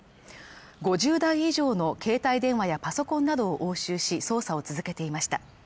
５０台以上の携帯電話やパソコンなどを押収し捜査を続けていました。